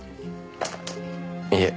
いえ。